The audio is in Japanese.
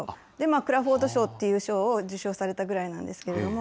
クラフォード賞という賞を受賞されたぐらいなんですけれども。